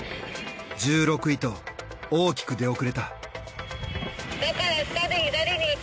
１６位と大きく出遅れた。